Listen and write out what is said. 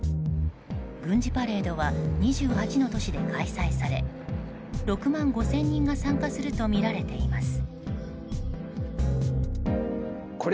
軍事パレードは２８の都市で開催され６万５０００人が参加するとみられています。